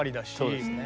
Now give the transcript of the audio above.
そうですね。